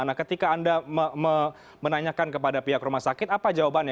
nah ketika anda menanyakan kepada pihak rumah sakit apa jawabannya